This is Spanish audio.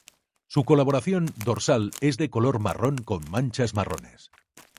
Su coloración dorsal es de color marrón con manchas marrones.